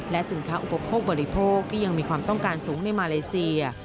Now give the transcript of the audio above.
สินค้าอุปโภคบริโภคที่ยังมีความต้องการสูงในมาเลเซีย